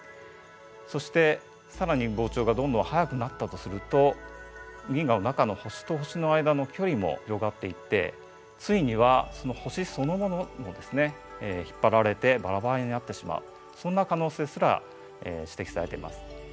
そして更に膨張がどんどん速くなったとすると銀河の中の星と星の間の距離も広がっていってついには星そのものもですね引っ張られてバラバラになってしまうそんな可能性すら指摘されています。